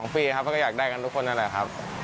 พี่ครับเขาก็อยากได้กันทุกคนนั่นแหละครับ